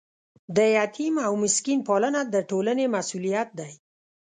د یتیم او مسکین پالنه د ټولنې مسؤلیت دی.